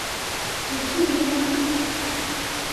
我是一個媽媽